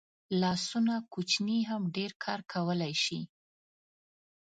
لاسونه کوچني هم ډېر کار کولی شي